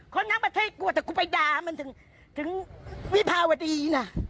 คนหน้าประเทศกรแต่กูไปด่ามันถึงวิภาวฤติน่ะ